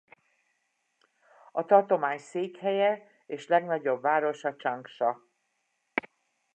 A tartomány székhelye és legnagyobb városa Csangsa.